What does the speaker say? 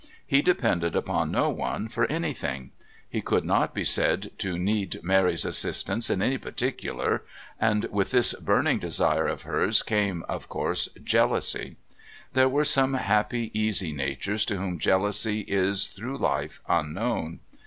He depended upon no one for anything; he could not be said to need Mary's assistance in any particular. And with this burning desire of hers came, of course, jealousy. There are some happy, easy natures to whom jealousy is, through life, unknown.